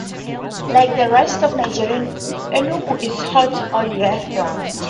Like the rest of Nigeria, Enugu is hot all year round.